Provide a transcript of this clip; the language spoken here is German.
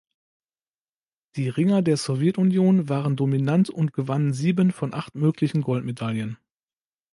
Die Ringer der Sowjetunion waren dominant und gewannen sieben von acht möglichen Goldmedaillen.